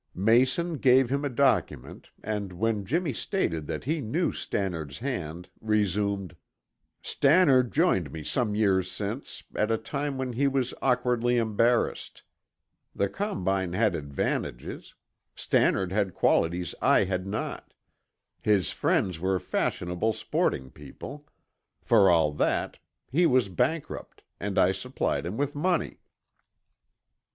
Mayson gave him a document, and when Jimmy stated that he knew Stannard's hand, resumed: "Stannard joined me some years since, at a time when he was awkwardly embarrassed. The combine had advantages. Stannard had qualities I had not; his friends were fashionable sporting people. For all that, he was bankrupt and I supplied him with money."